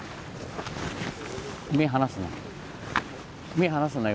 目離すな。